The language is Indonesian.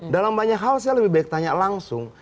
dalam banyak hal saya lebih baik tanya langsung